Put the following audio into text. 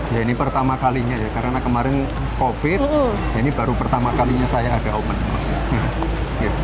ya ini pertama kalinya ya karena kemarin covid ini baru pertama kalinya saya ada open house